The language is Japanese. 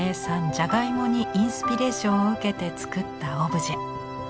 じゃがいもにインスピレーションを受けて作ったオブジェ。